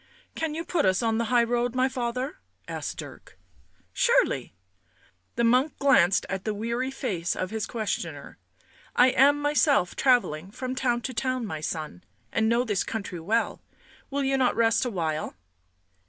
" Can you put us on the high road, my father?" asked Dirk. " Surely!" The monk glanced at the weary face of his questioner. " I am myself travelling from town to town, my son. And know this country well. Will you not rest a while?"